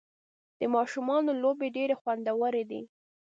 د ماشومانو لوبې ډېرې خوندورې دي.